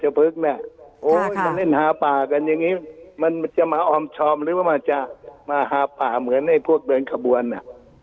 โห้ยมันนั่งหาป่ากันยังดิมันจะมาออมทอมหรือมันจะมาหาป่าเหมือนไอ้พวกเบเนุงขบวรหนะ